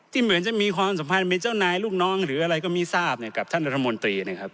ที่เหมือนจะมีความสัมพันธ์เป็นเจ้านายลูกน้องหรืออะไรก็มีทราบเนี่ย